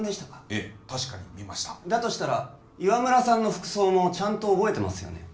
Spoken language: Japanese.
ええ確かに見ましただとしたら岩村さんの服装もちゃんと覚えてますよね？